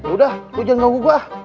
udah lo jangan nunggu gue